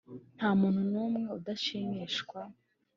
nta muntu n’umwe udashimishwa